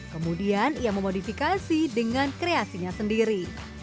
kemudian ia memodifikasi dengan kreasinya sendiri